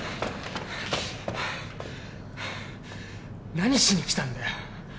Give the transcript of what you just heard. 何しに来たんだよ